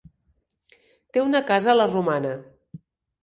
Té una casa a la Romana.